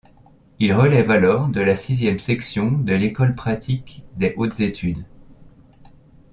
Il relève alors de la sixième section de l'École pratique des hautes études.